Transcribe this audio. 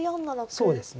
そうですね。